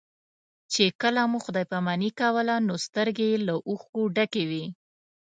چې کله مو خدای پاماني کوله نو سترګې یې له اوښکو ډکې وې.